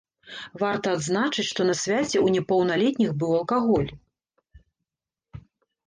Варта адзначыць, што на свяце ў непаўналетніх быў алкаголь.